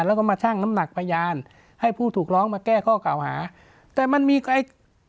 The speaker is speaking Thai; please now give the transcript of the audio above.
แล้วก็มาชั่งน้ำหนักพยานให้ผู้ถูกร้องมาแก้ข้อกล่าวหาแต่มันมีไอ้